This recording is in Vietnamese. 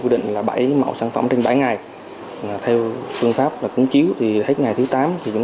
quy định là bảy mẫu sản phẩm trên bảy ngày theo phương pháp là cúng chiếu thì hết ngày thứ tám thì chúng